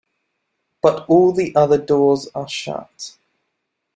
But all the other doors are shut.